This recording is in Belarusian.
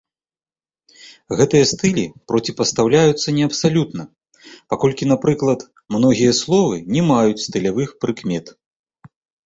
Гэтыя стылі проціпастаўляюцца не абсалютна, паколькі, напрыклад, многія словы не маюць стылявых прыкмет.